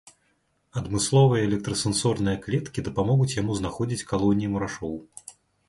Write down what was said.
Адмысловыя электрасэнсорныя клеткі дапамогуць яму знаходзіць калоніі мурашоў.